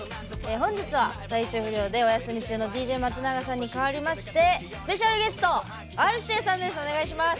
本日は体調不良でお休み中のＤＪ松永さんに代わりましてスペシャルゲストＲ‐指定さんです！